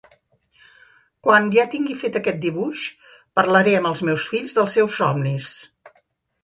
Quan ja tingui fet aquest dibuix, parlaré amb els meus fills dels seus somnis.